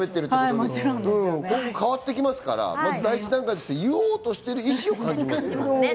今後変わっていきますから、第１段階として、言おうとしている意識を感じました。